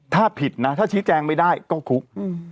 ถ้าผิดนะถ้าชี้แจงไม่ได้ก็คุก